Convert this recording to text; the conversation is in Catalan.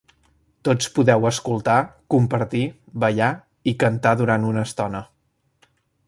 Tots podeu escoltar, compartir, ballar i cantar durant una estona.